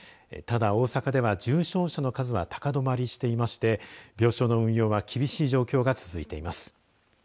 ただ、大阪では重症者の数は高止まりしていまして病床の運用は厳しい状況が続いています。